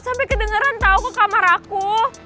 sampai kedengeran tau ke kamar aku